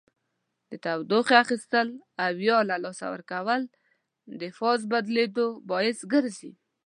د تودوخې اخیستل او یا له لاسه ورکول د فاز بدلیدو باعث ګرځي.